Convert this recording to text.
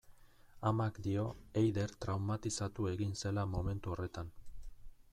Amak dio Eider traumatizatu egin zela momentu horretan.